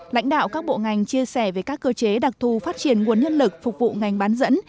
lãnh đạo các bộ ngành chia sẻ về các cơ chế đặc thù phát triển nguồn nhân lực phục vụ ngành bán dẫn